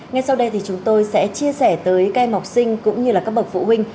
ngay sau đây thì chúng tôi sẽ chia sẻ tới các em học sinh cũng như là các bậc phụ huynh